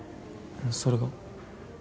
それが？